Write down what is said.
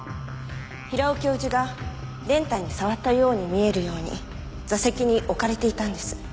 平尾教授が練炭に触ったように見えるように座席に置かれていたんです。